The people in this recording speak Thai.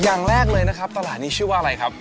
อย่างแรกเลยนะครับตลาดนี้ชื่อว่าอะไรครับ